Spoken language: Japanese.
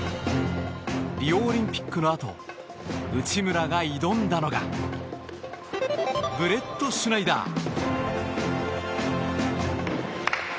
リオオリンピックのあと内村が挑んだのがブレットシュナイダー。